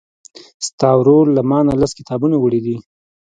ستا ورور له مانه لس کتابونه وړي دي.